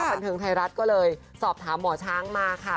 บันเทิงไทยรัฐก็เลยสอบถามหมอช้างมาค่ะ